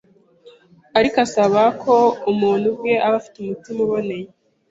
Ariko asaba ko umuntu ubwe aba afite umutima uboneye,